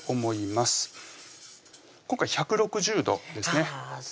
今回１６０度ですね